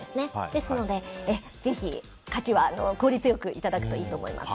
ですので、ぜひカキは効率よくいただくといいと思います。